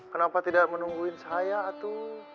kenapa tidak menungguin saya tuh